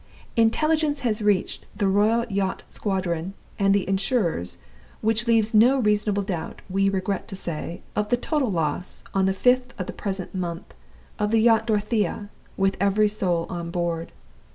Intelligence has reached the Royal Yacht Squadron and the insurers which leaves no reasonable doubt, we regret to say, of the total loss, on the fifth of the present month, of the yacht Dorothea, with every soul on board.